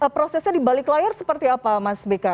prosesnya di balik layar seperti apa mas beka